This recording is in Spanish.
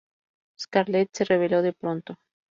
Scarlet se reveló de pronto.